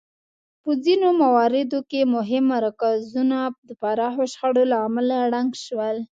په ځینو مواردو کې مهم مرکزونه د پراخو شخړو له امله ړنګ شول